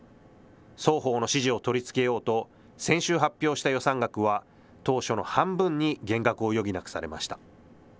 双方の支持を取り付けようと、先週発表した予算額は、当初の半分に減額を余儀なくされました。